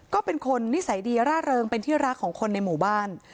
ก็เป็นคนนิสัยดีร่าเริงเป็นที่รักของคนในหมู่บ้าน